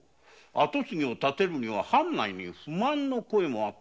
跡継ぎに立てるには藩内に不満の声があったとか。